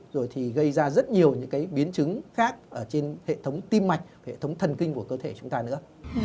rồi thì gây ra rất nhiều những cái biến chứng khác trên hệ thống tim mạch hệ thống thần kinh của cơ thể chúng ta nữa